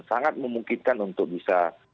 sangat memungkinkan untuk bisa